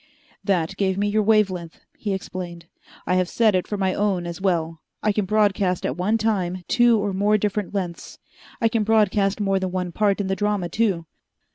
"That gave me your wavelength," he explained. "I have set it for my own as well I can broadcast at one time two or more different lengths. I can broadcast more than one part in the drama, too.